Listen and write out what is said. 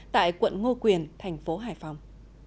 tại quận ngô quyền thành phố hải phòng